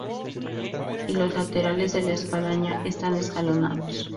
Y los laterales de la espadaña están escalonados.